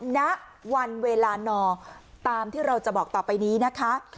ณวันเวลานอตามที่เราจะบอกต่อไปนี้นะคะ